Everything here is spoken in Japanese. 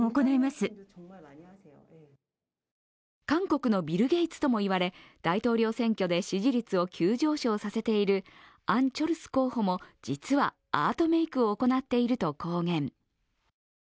韓国のビル・ゲイツとも言われ、大統領選挙で支持率を急上昇させているアン・チョルス候補も実はアートメイクを行っていると公言。